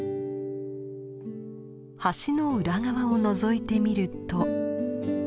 橋の裏側をのぞいてみると。